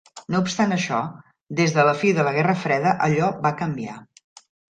No obstant això, des del fi de la Guerra Freda allò va canviar.